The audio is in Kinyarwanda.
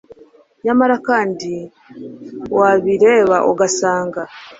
nyamara kandi wabireba ugasanga